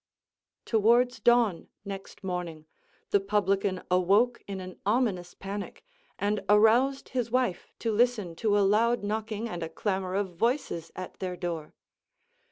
Towards dawn, next morning, the publican awoke in an ominous panic, and aroused his wife to listen to a loud knocking, and a clamor of voices at their door.